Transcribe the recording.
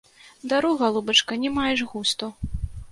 Даруй, галубачка, не маеш густу.